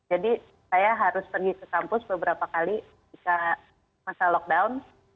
jadi saya harus pergi ke kampus beberapa kali jika masa lockdown